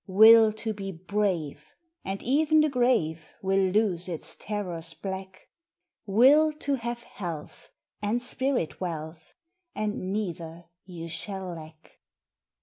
Will to be brave And e en the grave Will lose its terrors black. Will to have health, And spirit wealth, And neither shall you lack!